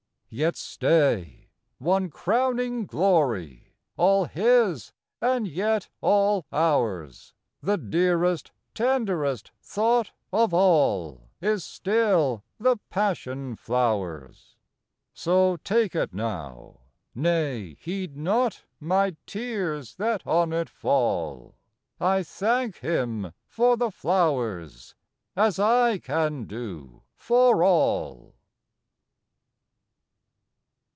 Yet stay, — one crowning glory, All His, and yet all ours : The dearest, tenderest thought of all Is still the Passion flower's. So take it now,—nay, heed not My tears that on it fall; I thank Him for the flowers, As I can do for all.